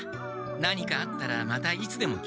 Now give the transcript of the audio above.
何かあったらまたいつでも来なさい。